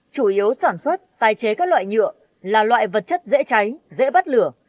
chủ yếu sản xuất tài chế các loại nhựa là loại vật chất dễ cháy dễ bắt lửa